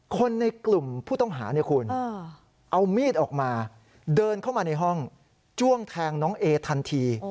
คนในกลุ่มผู้ต้องหาเนี่ยคุณเอามีดออกมาเดินเข้ามาในห้องจ้วงแทงน้องเอทันที